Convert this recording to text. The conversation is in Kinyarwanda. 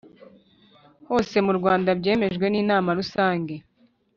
hose mu Rwanda byemejwe n Inteko Rusange